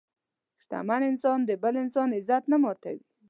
شتمن انسان د بل انسان عزت نه ماتوي.